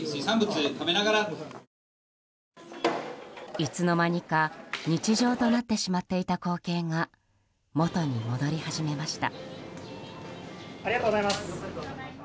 いつの間にか日常となってしまっていた光景が元に戻り始めました。